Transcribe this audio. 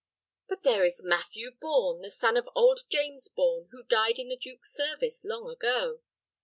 But there is Matthew Borne, the son of old James Borne, who died in the duke's service long ago."